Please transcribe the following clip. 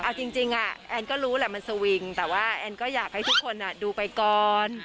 เอาจริงแอนก็รู้แหละมันสวิงแต่ว่าแอนก็อยากให้ทุกคนดูไปก่อน